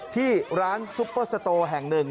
ที่ร้านซุปเปอร์สโตแห่งหนึ่ง